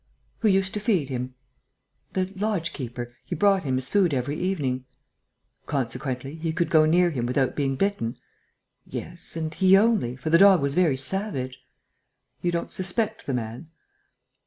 "Who used to feed him?" "The lodge keeper. He brought him his food every evening." "Consequently, he could go near him without being bitten?" "Yes; and he only, for the dog was very savage." "You don't suspect the man?"